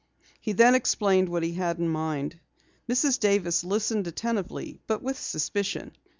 He then explained what he had in mind. Mrs. Davis listened attentively but with suspicion.